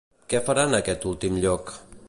Què faran a aquest últim lloc?